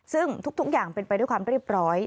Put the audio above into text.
ซึ่งทุกอย่างเป็นไปด้วยความเรียบร้อย